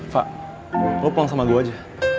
fak lo pelan sama gue aja